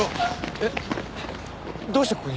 えっどうしてここに？